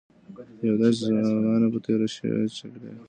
يوه داسې زمانه به تېره شوې وي چې کتاب نه و.